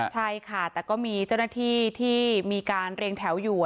ใช่ค่ะแต่ก็มีเจ้าหน้าที่ที่มีการเรียงแถวอยู่